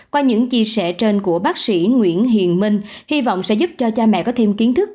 qua những chia sẻ trên của bác sĩ nguyễn hiền minh hy vọng sẽ giúp cho cha mẹ có thêm kiến thức